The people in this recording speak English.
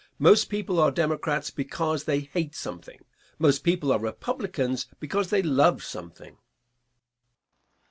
Most people are Democrats because they hate something, most people are Republicans because they love something.